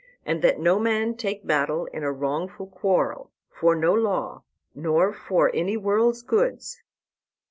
Also that no man take battle in a wrongful quarrel, for no law, nor for any world's goods.